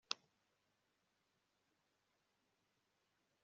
Amasaha yakazi yararangiye yarageze Fabiora